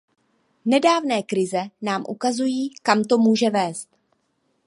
Nedávné krize nám ukazují, kam to může vést.